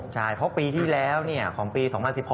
ใช่เพราะปีที่แล้วของปี๒๐๑๖